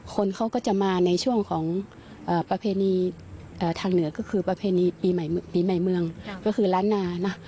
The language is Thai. คนเขาก็จะมาในช่วงของประเพณีทางเหนือก็คือประเพณีปีใหม่ปีใหม่เมืองก็คือล้านนานะ